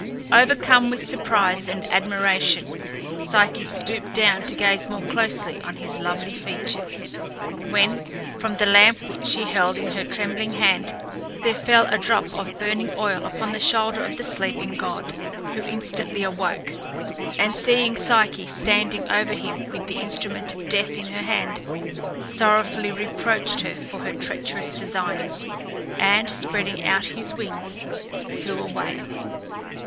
Overcome with surprise and admiration, Psyche stooped down to gaze more closely on his lovely features, when, from the lamp which she held in her trembling hand, there fell a drop of burning oil upon the shoulder of the sleeping god, who instantly awoke, and seeing Psyche standing over him with the instrument of death in her hand, sorrowfully reproached her for her treacherous designs, and, spreading out his wings, flew away.